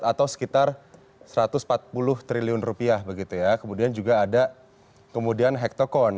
atau sekitar satu ratus empat puluh triliun rupiah begitu ya kemudian juga ada kemudian hektocon